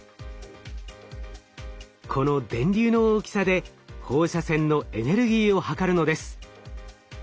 この電流の大きさで放射線のエネルギーを測るのです。